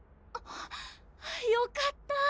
よかった！